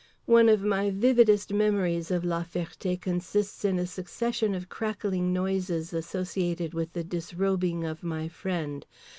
One of my vividest memories of La Ferté consists in a succession of crackling noises associated with the disrobing of my friend.